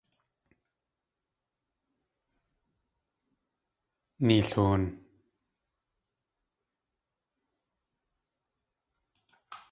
Neelhoon!